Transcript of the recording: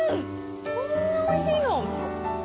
こんなおいしいの？